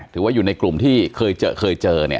ถือว่าอยู่ในกลุ่มที่เคยเจอเจอ